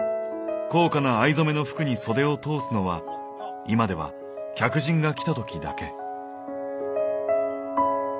高価な藍染めの服に袖を通すのは今では客人が来た時だけ。